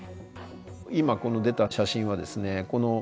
今この出た写真はですね